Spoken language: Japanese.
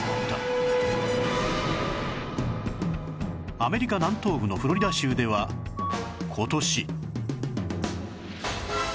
アメリカ南東部のフロリダ州では今年